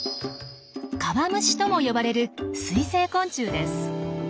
川虫とも呼ばれる水生昆虫です。